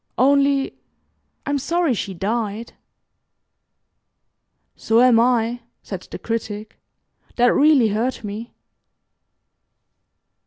Only I'm sorry she died." "So am I," said the Critic. "That really hurt me."